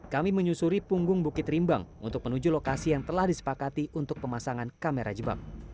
kami menyusuri punggung bukit rimbang untuk menuju lokasi yang telah disepakati untuk pemasangan kamera jebak